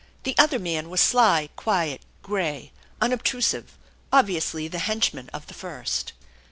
The other man was sly, quiet, gray, unobtrusive, obviously the henchman of the first.